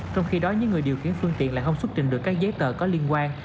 trong khi đó những người điều khiển phương tiện lại không xuất trình được các giấy tờ có liên quan